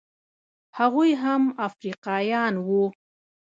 هغوی هم افریقایان وو.